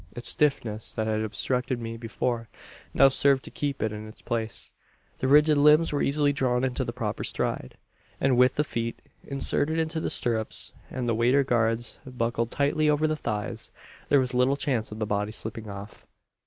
Its stiffness, that had obstructed me before, now served to keep it in its place. The rigid limbs were easily drawn into the proper stride; and with the feet inserted into the stirrups, and the water guards buckled tightly over the thighs, there was little chance of the body slipping off.